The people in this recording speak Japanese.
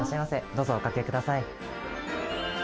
どうぞおかけください。